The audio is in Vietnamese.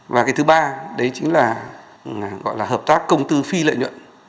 và cái thứ ba đấy chính là gọi là hợp tác công tư phi lợi nhuận